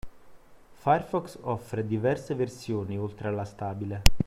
Firefox offre diverse versioni oltre alla stabile